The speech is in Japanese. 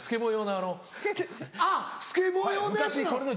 あっスケボー用のやつなの。